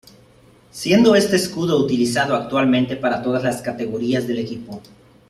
Siendo este escudo utilizado actualmente para todas las categorías del equipo.